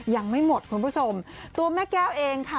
ยังไม่หมดคุณผู้ชมตัวแม่แก้วเองค่ะ